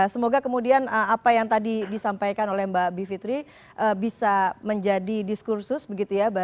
semoga kemudian apa yang tadi disampaikan oleh mbak bivitri bisa menjadi diskursus begitu ya